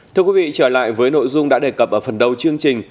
thưa quý vị trở lại với nội dung đã đề cập ở phần đầu chương trình